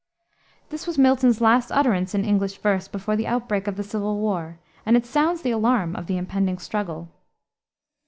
This was Milton's last utterance in English verse before the outbreak of the civil war, and it sounds the alarm of the impending struggle.